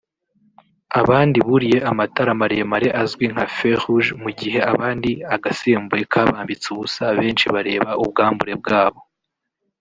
abandi buriye amatara maremare azwi nka Feux Rouge mu gihe abandi agasembuye kabambitse ubusa benshi bareba ubwambure bwabo